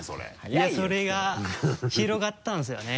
いやそれが広がったんですよね。